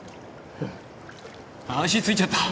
足ついちゃった。